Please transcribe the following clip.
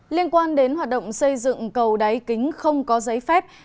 liên quan đến hoạt động xây dựng cầu đáy kính không có giấy phép